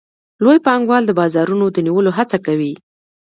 لوی پانګوال د بازارونو د نیولو هڅه کوي